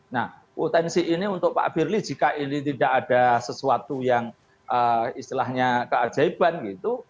nah potensi ini untuk pak firly jika ini tidak ada sesuatu yang istilahnya keajaiban gitu